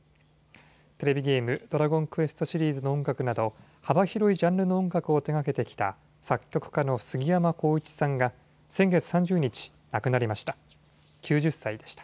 テレビゲーム、ドラゴンクエストシリーズの音楽など幅広いジャンルの音楽を手がけてきた作曲家のすぎやまこういちさんが先月３０日、亡くなりました。